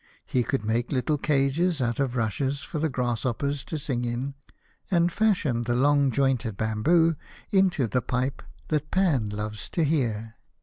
He could make little cages out of rushes for the grasshoppers to sing in, and fashion the long jointed bamboo into the pipe that Pan loves to hear.